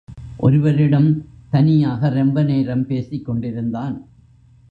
ஒருவரிடம் தனியாக ரொம்ப நேரம் பேசிக் கொண்டிருந்தான்.